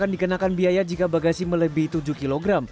dikenakan biaya jika bagasi melebihi tujuh kg